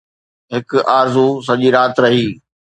هڪ آرزو سڄي رات رهي